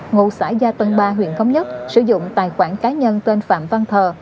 ngụ xã gia tân ba huyện thống nhất sử dụng tài khoản cá nhân tên phạm văn thờ